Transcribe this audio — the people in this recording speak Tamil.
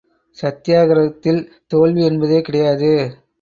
சத்தியாக்கிரகத்தில் தோல்வி என்பதே கிடையாது.